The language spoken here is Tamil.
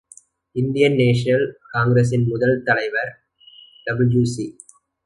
இந்தியன் நேஷனல் காங்கிரசின் முதல் தலைவர் டபிள்யூ ஸி.